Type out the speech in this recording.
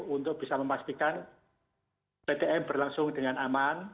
untuk bisa memastikan ptm berlangsung dengan aman